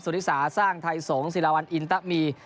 สุริสาสร้างไทยสงฆ์สิรวรรณอินตะมี